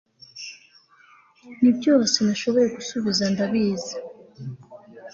Nibyose nashoboye gusubiza Ndabizi